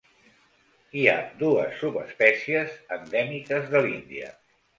Hi ha dues subespècies endèmiques de l'Índia.